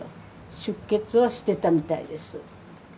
出血はしてたみたいです。